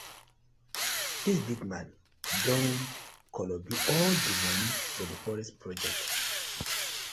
Dis big man don kolobi all di moni for di forest project.